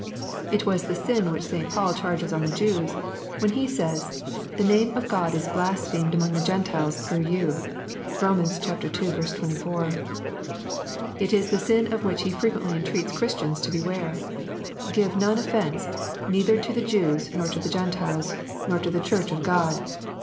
It was the sin which St. Paul charges on the Jews, when he says, " the name of God is blas phemed among the Gentiles through you." (Eom. ii. 24.) It is the sin of which he frequently entreats Christians to beware :— "Give none offence, neither to the Jews nor to the Gentiles, nor to the Church of God."